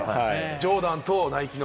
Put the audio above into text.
ジョーダンとナイキの。